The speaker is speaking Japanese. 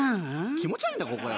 気持ち悪いなここよ。